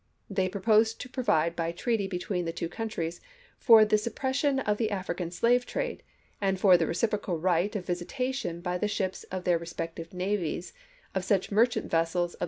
They proposed to provide by treaty between the two countries for the suppression of the African slave trade, and for the reciprocal right of visitation by the ships of DIPLOMACY OF 1862 61 their respective navies of such merchant vessels of chap.